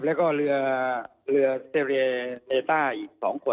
แล้วก็เรือเซเลนิต้าอีก๒คนนะครับ